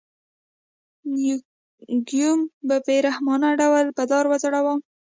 ګیوم یې په بې رحمانه ډول په دار وځړاوه.